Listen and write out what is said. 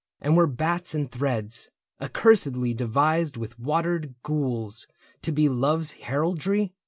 And were bats and threads. Accursedly devised with watered gules, To be Love's heraldry